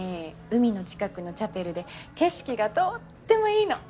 海の近くのチャペルで景色がとってもいいの！